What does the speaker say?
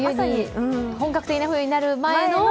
本格的な冬になる前の？